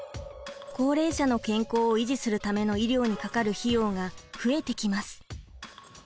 高齢者の健康を維持するための医療にかかる費用が増えてきます。